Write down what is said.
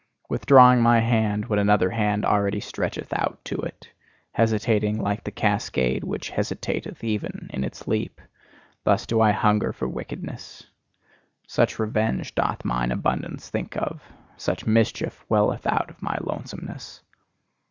Withdrawing my hand when another hand already stretcheth out to it; hesitating like the cascade, which hesitateth even in its leap: thus do I hunger for wickedness! Such revenge doth mine abundance think of: such mischief welleth out of my lonesomeness.